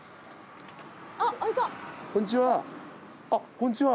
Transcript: こんちは。